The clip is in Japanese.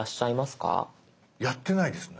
やってないですね。